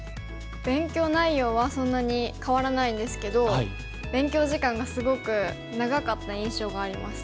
勉強内容はそんなに変わらないんですけど勉強時間がすごく長かった印象があります。